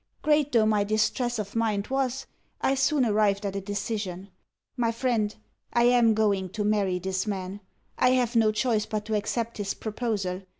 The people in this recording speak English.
Great though my distress of mind was, I soon arrived at a decision.... My friend, I am going to marry this man; I have no choice but to accept his proposal.